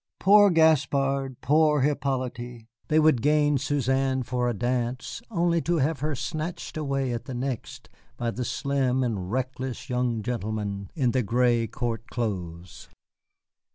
Poor Gaspard! Poor Hippolyte! They would gain Suzanne for a dance only to have her snatched away at the next by the slim and reckless young gentleman in the gray court clothes.